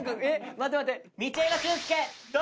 待って待って。